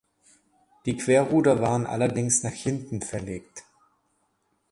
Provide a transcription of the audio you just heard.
Die Querruder waren allerdings nach hinten verlegt.